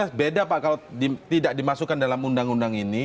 sebenarnya beda pak kalau tidak dimasukkan dalam undang undang ini